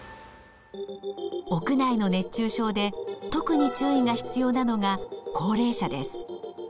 屋内の熱中症で特に注意が必要なのが高齢者です。